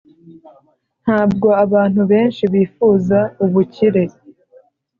ntabwo abantu benshi bifuza ubukire